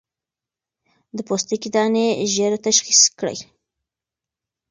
د پوستکي دانې ژر تشخيص کړئ.